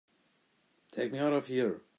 Take me out of here!